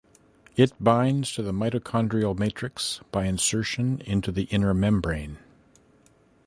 It binds to the mitochondrial matrix by insertion into the inner membrane.